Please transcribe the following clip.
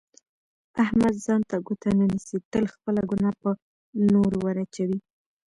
احمد ځان ته ګوته نه نیسي، تل خپله ګناه په نورو ور اچوي.